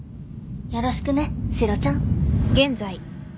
よろしくねシロちゃん